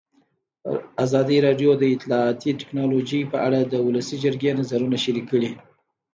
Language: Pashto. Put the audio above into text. ازادي راډیو د اطلاعاتی تکنالوژي په اړه د ولسي جرګې نظرونه شریک کړي.